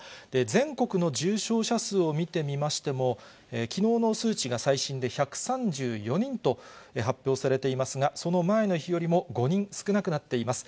全国の重症者数を見てみましても、きのうの数値が最新で１３４人と発表されていますが、その前の日よりも５人少なくなっています。